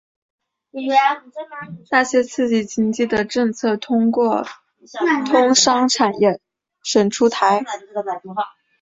那些刺激经济的政策通过通商产业省出台。